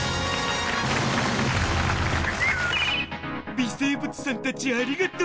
微生物さんたちありがとう！